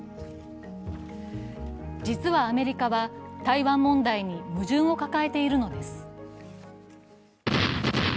実はアメリカは、台湾問題に矛盾を抱えているのです。